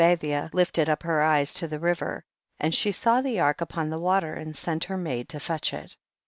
And Bathia lifted up her eyes to the river, and she saw the ark up on the water, and sent her maid to fetch it.